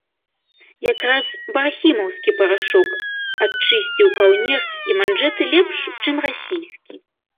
Якраз бархімаўскі парашок адчысціў каўнер і манжэты лепш, чым расійскі.